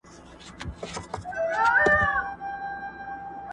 وخت به تېر وي نه راګرځي بیا به وکړې ارمانونه!